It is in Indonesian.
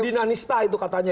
dinanista itu katanya